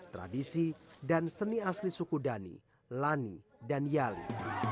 tradisi dan seni asli suku dhani lani dan yali